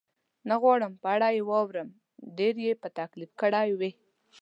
نه غواړم په اړه یې واورم، ډېر یې په تکلیف کړی وې؟